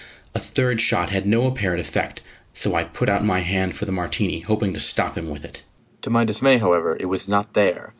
A third shot had no apparent effect, so I put out my hand for the Martini, hoping to stop him with it. To my dismay, however, it was not there.